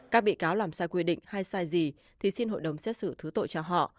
các bị cáo làm sai quy định hay sai gì thì xin hội đồng xét xử thứ tội cho họ